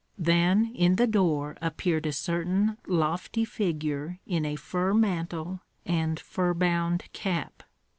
Then in the door appeared a certain lofty figure in a fur mantle and fur bound cap.